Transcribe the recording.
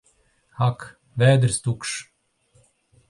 Ak! Vēders tukšs!